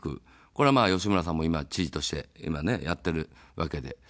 これは、吉村さんも今、知事として、やっているわけですけれども。